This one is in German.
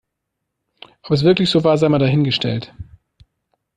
Ob es wirklich so war, sei mal dahingestellt.